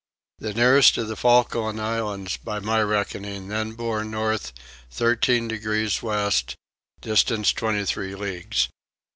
The nearest of the Falkland Islands by my reckoning then bore north 13 degrees west; distance 23 leagues.